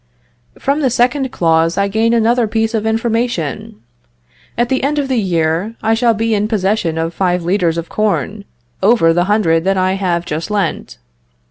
"From the second clause, I gain another piece of information. At the end of the year, I shall be in possession of five litres of corn, over the 100 that I have just lent.